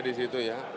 di situ ya